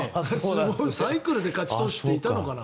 サイクルで勝ち投手っていたのかな？